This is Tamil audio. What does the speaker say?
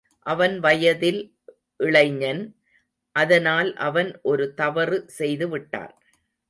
அவன் வயதில் இளைஞன், அதனால் அவன் ஒரு தவறு செய்துவிட்டான்.